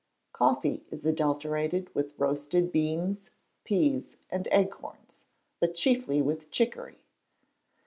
Coffee is adulterated with roasted beans, peas, and acorns; but chiefly with chicory.